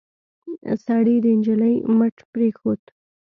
سړي د نجلۍ مټ پرېښود.